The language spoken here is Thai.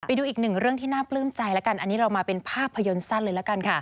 ไปดูอีกหนึ่งเรื่องที่น่าเปลื้มใจอันนี้เรามาเป็นภาพยนตร์ซั่นเลย